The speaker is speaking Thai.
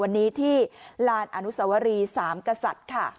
วันนี้ที่ลานอนุสวรีสามกษัตริย์ค่ะ